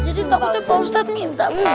jadi takutnya pak ustadz minta